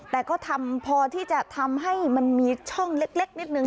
แต่ก็ทำพอที่จะทำให้มันมีช่องเล็กนิดนึง